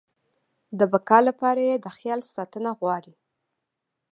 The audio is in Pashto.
د بقا لپاره يې د خیال ساتنه غواړي.